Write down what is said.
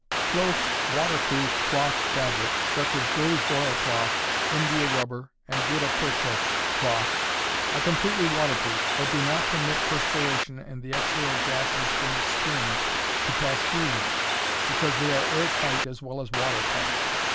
_ Close water proof cloth fabrics, such as glazed oil cloth, India rubber, and gutta percha cloth are completely water proof, but do not permit perspiration and the exhaled gases from the skin to pass through them, because they are air tight as well as water tight.